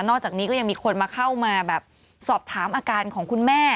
อกจากนี้ก็ยังมีคนมาเข้ามาแบบสอบถามอาการของคุณแม่